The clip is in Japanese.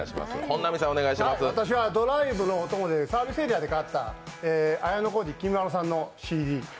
私はドライブのお供でサービスエリアで買った綾小路きみまろさんのＣＤ。